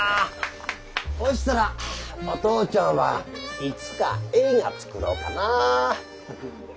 ほしたらお父ちゃんはいつか映画作ろうかな。